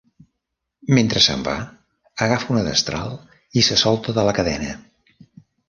Mentre se'n va, agafa una destral i se solta de la cadena.